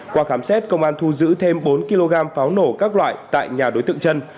qua khám xét công an thu giữ thêm bốn kg pháo nổ các loại tại nhà đối tượng chân